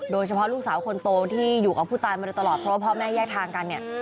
โดยเฉพาะลูกสาวคนโตที่อยู่กับผู้ตายมาโดยตลอดเพราะว่าพ่อแม่แยกทางกันเนี่ย